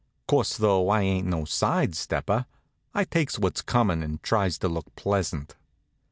Course, though, I ain't no side stepper. I takes what's comin' an' tries to look pleasant.